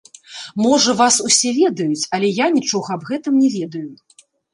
Можа, вас усе ведаюць, але я нічога аб гэтым не ведаю.